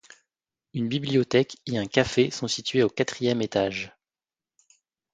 Une bibliothèque et un café sont situés au quatrième étage.